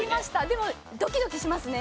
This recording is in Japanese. でもドキドキしますね